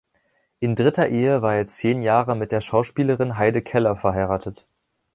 In dritter Ehe war er zehn Jahre mit der Schauspielerin Heide Keller verheiratet.